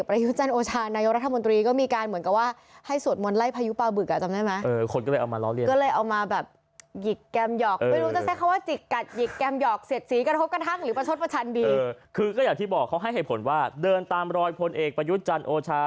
ประชันดีเออคือก็อย่างที่บอกเขาให้เหตุผลว่าเดินตามรอยพลเอกประยุจรรย์โอชา